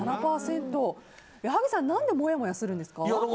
矢作さん何でもやもやするんですか？